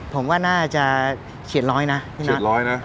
ผมว่าน่าจะเฉียดร้อยนะที่นัก